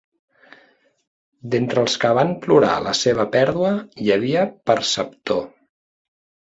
D'entre els que van plorar la seva pèrdua hi havia Perceptor.